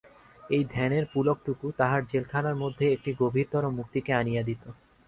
এই ধ্যানের পুলকটুকু তাহার জেলখানার মধ্যে একটি গভীরতর মুক্তিকে আনিয়া দিত।